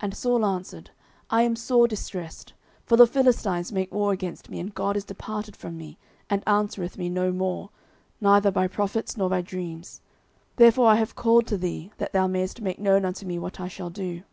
And Saul answered, I am sore distressed; for the Philistines make war against me, and God is departed from me, and answereth me no more, neither by prophets, nor by dreams: therefore I have called thee, that thou mayest make known unto me what I shall do.